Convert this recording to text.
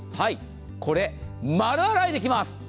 これ、丸洗いできます。